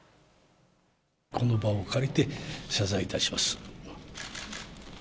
この場を借りて、謝罪いたします。